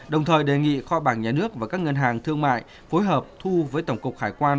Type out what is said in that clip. đồng thời đề nghị kho bạc nhà nước và các ngân hàng thương mại phối hợp thu với tổng cục hải quan